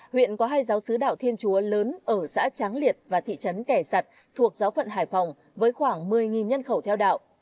huyện có hai giáo sứ đạo thiên chúa lớn ở xã tráng liệt và thị trấn kẻ sặt thuộc giáo phận hải phòng với khoảng một mươi nhân khẩu theo đạo